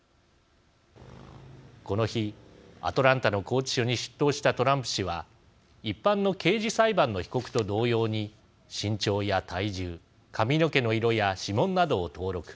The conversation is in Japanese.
この日アトランタの拘置所に出頭したトランプ氏は一般の刑事裁判の被告と同様に身長や体重髪の毛の色や指紋などを登録。